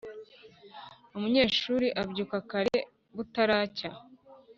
Umunyeshuri abyuka kare butaracya